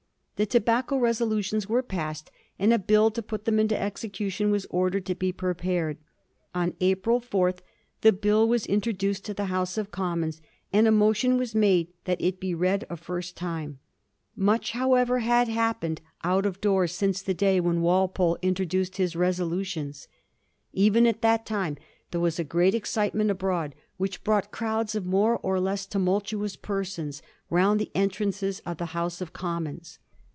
The tobacco resolutions were passed, and a Bill to put them into execution was ordered to be prepared. On April 4 the Bill was introduced to the House of Commons, and a motion was made that it be read a first time. Much, however, had happened Digiti zed by Google 1733 POPULAR EXCITEMENT. 417 out of doors since the day when Walpole introduced his resolutions. Even at that time there was a great excitement abroad, which brought crowds of more or less tumultuous persons round the entrances of the House of Commons.